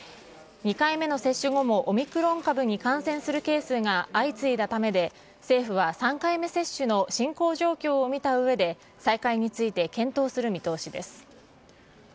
２回目の接種後もオミクロン株に感染するケースが相次いだためで、政府は３回目接種の進行状況を見たうえで、再開について検討する見通しです。